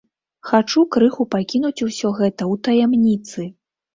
Хачу крыху пакінуць усё гэта ў таямніцы.